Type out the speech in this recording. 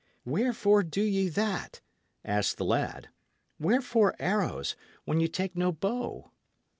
"Wherefore do ye that?" asked the lad. "Wherefore arrows, when ye take no bow?"